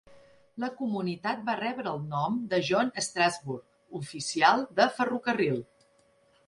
La comunitat va rebre el nom de John Strasburg, oficial de ferrocarril.